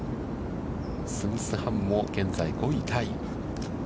スンス・ハンも現在５位タイ。